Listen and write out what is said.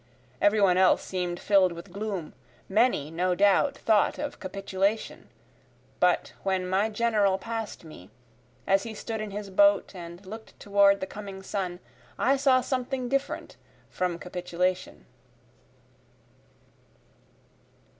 Every one else seem'd fill'd with gloom, Many no doubt thought of capitulation. But when my General pass'd me, As he stood in his boat and look'd toward the coming sun, I saw something different from capitulation.